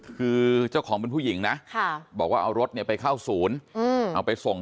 เป็นผู้หญิงนะบอกว่ารถเนี่ยไปเข้าศูนย์เอาไปส่ง